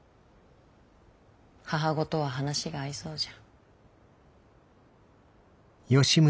母御とは話が合いそうじゃ。